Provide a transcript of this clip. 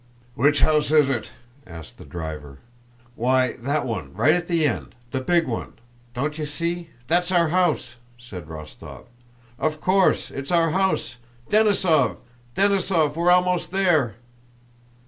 "Which house is it?" asked the driver. "Why, that one, right at the end, the big one. Don't you see? That's our house," said Rostóv. "Of course, it's our house! Denísov, Denísov! We're almost there!"